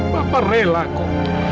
bapak rela kok